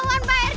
parti pak rt